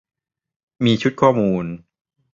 มีชุดข้อมูล